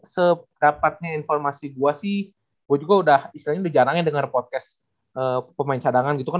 sedapatnya informasi gue sih gue juga udah istilahnya udah jarangnya dengar podcast pemain cadangan gitu kan